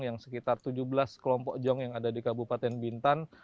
yang sekitar tujuh belas kelompok jong yang ada di kabupaten bintan